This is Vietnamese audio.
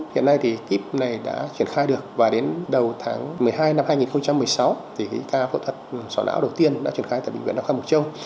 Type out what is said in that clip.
hiện nay thì kíp này đã chuyển khai được và đến đầu tháng một mươi hai năm hai nghìn một mươi sáu thì cái ca phẫu thuật xóa não đầu tiên đã chuyển khai tại bệnh viện đông khoa mộc châu